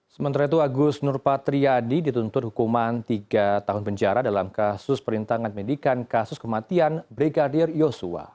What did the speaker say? sementara itu agus nurpatriadi dituntut hukuman tiga tahun penjara dalam kasus perintangan pendidikan kasus kematian brigadir yosua